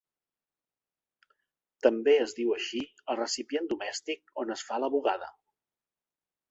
També es diu així al recipient domèstic on es fa la bugada.